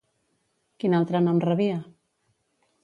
Quin altre nom rebia?